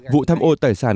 vụ thăm ô tài sản